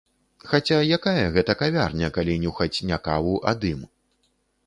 Хаця якая гэта кавярня, калі нюхаць не каву, а дым?